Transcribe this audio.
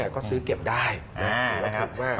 ก็ซื้อเก็บได้นะครับ